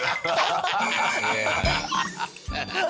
ハハハハ！